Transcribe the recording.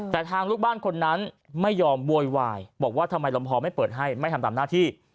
แต่ทางลูกบ้านคนนั้นไม่ยอมโวยวายบอกว่าทำไมลำพอไม่เปิดให้ไม่ทำตามหน้าที่